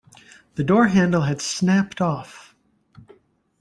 The door handle had snapped off.